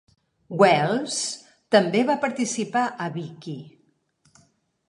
Wells també va participar a Vicki!